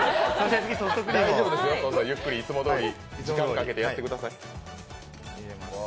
大丈夫ですよ、いつもどおり時間をかけてやってください。